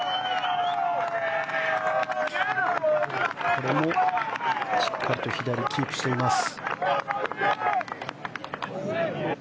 これもしっかり左をキープしています。